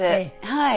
はい。